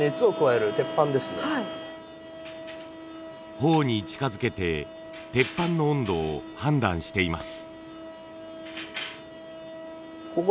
頬に近づけて鉄板の温度を判断しています。